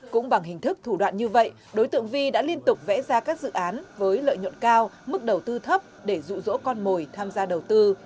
cũng bằng hình thức thủ đoạn như vậy đối tượng vi đã liên tục vẽ ra các dự án với lợi nhuận cao mức đầu tư thấp để rụ rỗ con mồi tham gia đầu tư